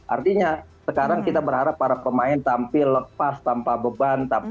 artinya sekarang kita berharap para pemain tampil lepas tanpa beban